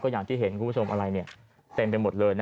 อย่างที่เห็นคุณผู้ชมอะไรเต็มไปหมดเลย